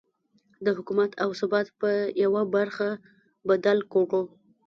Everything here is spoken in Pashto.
د حکومت او ثبات په يوه برخه بدل کړو.